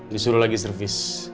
disuruh lagi servis